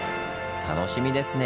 楽しみですね。